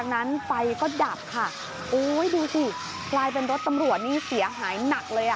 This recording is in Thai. นั้นไฟก็ดับค่ะโอ้ยดูสิกลายเป็นรถตำรวจนี่เสียหายหนักเลยอ่ะ